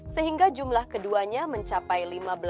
sehingga jumlah keduanya mencapai lima belas